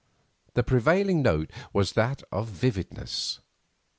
The prevailing note was that of vividness.